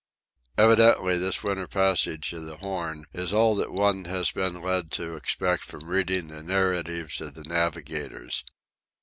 Evidently this winter passage of the Horn is all that one has been led to expect from reading the narratives of the navigators.